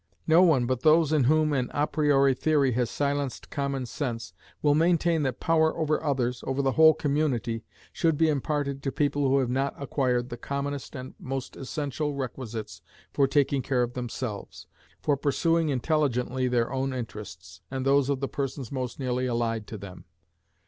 No one but those in whom an à priori theory has silenced common sense will maintain that power over others, over the whole community, should be imparted to people who have not acquired the commonest and most essential requisities for taking care of themselves for pursuing intelligently their own interests, and those of the persons most nearly allied to them.